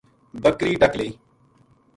بکری ڈک لئی۔